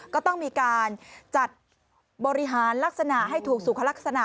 ก็ต้องมีการจัดบริหารลักษณะให้ถูกสุขลักษณะ